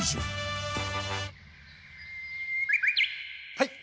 はい！